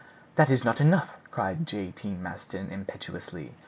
"That is not enough," cried J. T. Maston impetuously.